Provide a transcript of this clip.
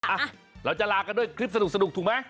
อ่ะเราจะลากันด้วยคลิปสนุกถูกไหม